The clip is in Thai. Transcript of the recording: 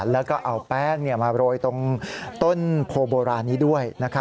แล้วก็เอาแป้งมาโรยตรงต้นโพโบราณนี้ด้วย